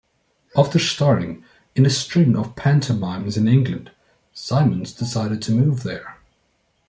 After starring in a string of pantomimes in England, Symons decided to move there.